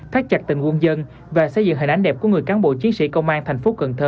phát trạch tình quân dân và xây dựng hình ánh đẹp của người cán bộ chiến sĩ công an tp cn